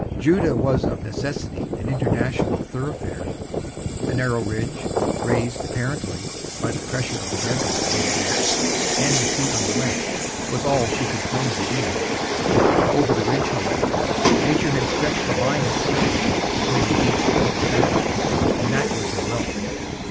Judea was of necessity an international thoroughfare; a narrow ridge, raised, apparently, by the pressure of the desert on the east, and the sea on the west, was all she could claim to be; over the ridge, however, nature had stretched the line of trade between the east and the south; and that was her wealth.